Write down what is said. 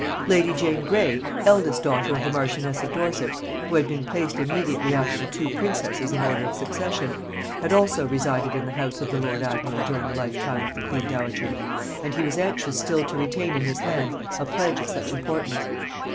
Lady Jane Grey, eldest daughter of the marchioness of Dorset, who had been placed immediately after the two princesses in order of succession, had also resided in the house of the lord admiral during the lifetime of the queen dowager, and he was anxious still to retain in his hands a pledge of such importance.